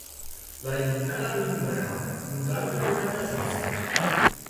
La eliminarea lui Mera, un galben era de ajuns.